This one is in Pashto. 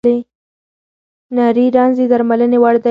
نري رنځ د درملنې وړ دی.